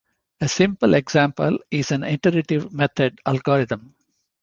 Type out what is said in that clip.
A simple example is an iterative method algorithm.